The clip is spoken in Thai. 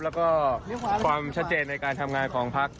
แล้วก็ความชัดเจนในการทำงานของพัก